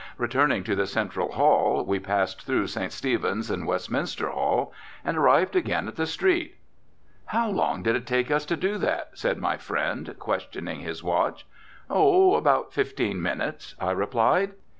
Returning to the central hall, we passed through St. Stephen's and Westminster Hall and arrived again in the street. "How long did it take us to do that?" said my friend, questioning his watch. "Oh, about fifteen minutes," I replied.